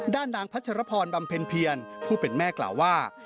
ด้านนางพัชรพรบำเพ็ญเพียรผู้เป็นแม่กล่าวว่า